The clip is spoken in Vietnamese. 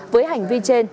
với hành vi trên